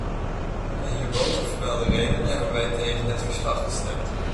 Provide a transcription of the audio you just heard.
Om de hierboven vermelde redenen hebben wij tegen het verslag gestemd.